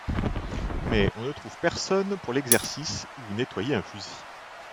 Mais on ne trouve personne pour l'exercice ou nettoyer un fusil.